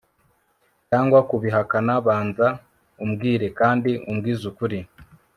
cyangwa kubihakana banza umbwire kandi umbwizukuri